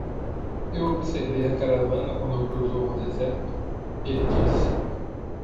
"Eu observei a caravana quando cruzou o deserto?" ele disse.